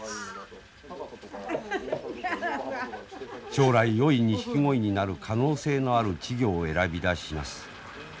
将来よいニシキゴイになる可能性のある稚魚を選び出します。